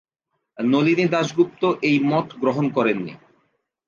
নলিনী দাশগুপ্ত এই মত গ্রহণ করেন নি।